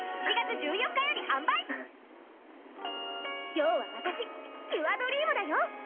今日はわたしキュアドリームだよ！